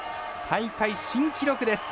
大会新記録です。